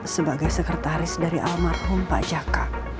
sebagai sekretaris dari almarhum pak jaka